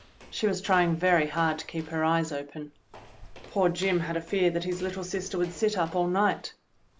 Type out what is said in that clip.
She was trying very hard to keep her eyes open. Poor Jim had a fear that his little sister would sit up all night.